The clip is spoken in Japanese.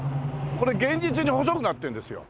これ現実に細くなってるんですよ。